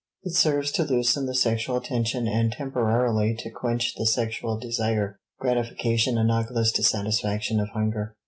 It serves to loosen the sexual tension and temporarily to quench the sexual desire (gratification analogous to satisfaction of hunger).